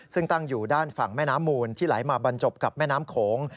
ซึ่งตั้งอยู่ด้านฝั่งแม่น้ำมูลที่ไหลมาบรรจบกับแม่น้ำโขง